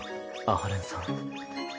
阿波連さん。